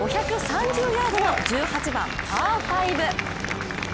５３０ヤードの１８番、パー５。